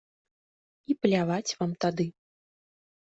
І пляваць вам тады!